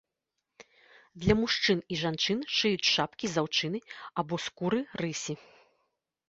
Для мужчын і жанчын шыюць шапкі з аўчыны або скуры рысі.